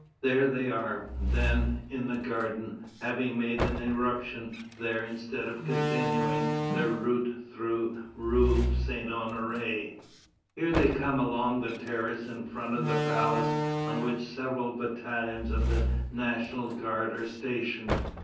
There they are, then, in the garden, having made an irruption there instead of continuing their route through rue Saint Honoré. Here they come along the terrace in front of the palace, on which several battalions of the National Guard are stationed.